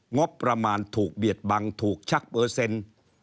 งบประมาณถูกเบียดบังถูกชักเปอร์เซ็นต์